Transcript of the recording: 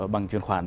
bằng truyền khoản